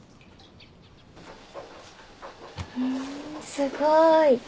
すごーい。